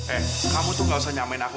eh kamu tuh gak usah nyamain aku